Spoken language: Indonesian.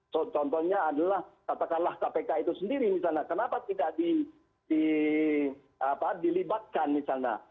contohnya adalah katakanlah kpk itu sendiri misalnya kenapa tidak dilibatkan misalnya